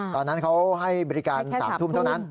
ตอนนั้นเขาให้บริการ๓ทุ่มเท่านั้น